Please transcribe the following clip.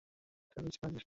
তাই পিছোবার চেষ্টা।